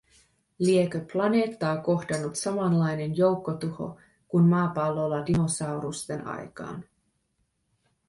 Liekö planeettaa kohdannut samanlainen joukkotuho, kun maapallolla dinosaurusten aikaan.